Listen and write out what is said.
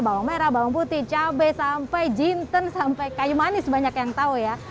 bawang merah bawang putih cabai sampai jinten sampai kayu manis banyak yang tahu ya